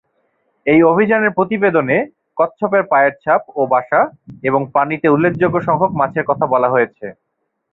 এই অভিযানের প্রতিবেদনে কচ্ছপের পায়ের ছাপ ও বাসা, এবং পানিতে উল্লেখযোগ্য সংখ্যক মাছের কথা বলা হয়েছে।